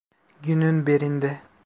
Günün birinde.